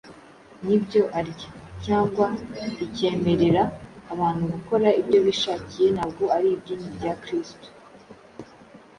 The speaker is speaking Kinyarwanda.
n’ibyo arya, cyangwa rikemerera abantu gukora ibyo bishakiye ntabwo ari idini rya kristo.